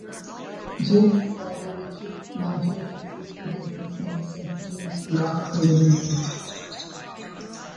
James' father, Richard Mancham, a successful businessman, sent James to law school in England.